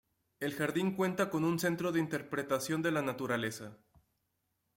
El jardín cuenta con un centro de interpretación de la naturaleza.